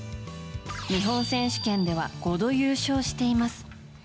日本選手権では５度優勝しています。